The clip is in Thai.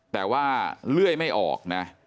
แต่ว่าเลื่อยไม่ออกนะ